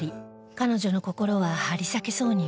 彼女の心は張り裂けそうになる